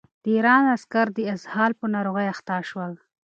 د ایران عسکر د اسهال په ناروغۍ اخته شول.